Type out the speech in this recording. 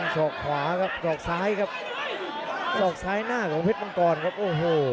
ศอกขวาครับศอกซ้ายครับสอกซ้ายหน้าของเพชรมังกรครับโอ้โห